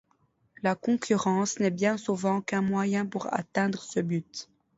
La concurrence n’est bien souvent qu’un moyen pour atteindre ce but.